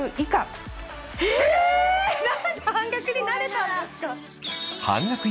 何で半額になれたんですか。